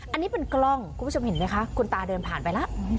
อันนี้เป็นกล้องคุณผู้ชมเห็นไหมคะคุณตาเดินผ่านไปแล้ว